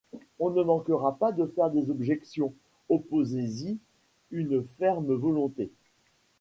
On ne manquera pas de faire des objections, opposez-y une ferme volonté.